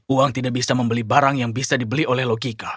uang tidak bisa membeli barang yang bisa dibeli oleh logika